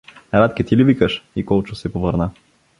— Радке, ти ли викаш? — И Колчо се повърна.